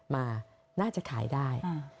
มาน่าจะขายได้